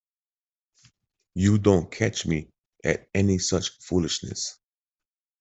You don't catch me at any such foolishness.